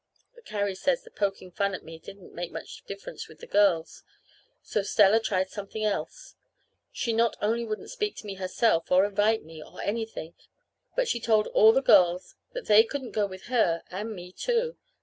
But Carrie says the poking fun at me didn't make much difference with the girls, so Stella tried something else. She not only wouldn't speak to me herself, or invite me, or anything, but she told all the girls that they couldn't go with her and me, too.